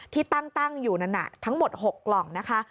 ที่ตั้งอยู่นั้นทั้งหมด๖กล่องนะคะ